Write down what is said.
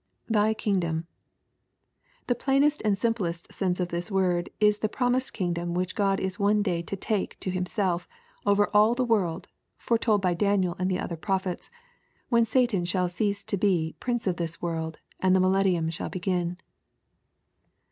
[Thy kingdom.] The plainest and simplest sense of this word is the promised kingdom which Gk)d is one day to take to Him self over all the world, foretold by Daniel and the other prophets, when Satan shall cease to be " prince of this world," and the millennium shall begin.